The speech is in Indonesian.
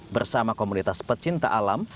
bersama komunitas pecinta alam